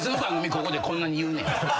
ここでこんなに言うねん。